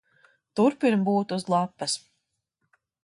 Turpinu būt uz lapas.